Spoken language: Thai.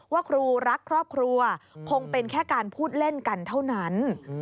ว่าครูรักครอบครัวคงเป็นแค่การพูดเล่นกันเท่านั้น